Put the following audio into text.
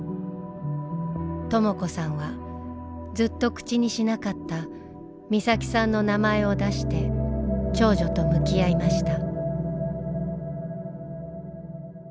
とも子さんはずっと口にしなかった美咲さんの名前を出して長女と向き合いました。